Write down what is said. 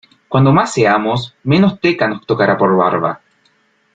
Cuanto más seamos, menos teca nos tocará por barba.